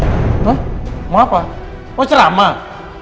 mau apa mau ceramah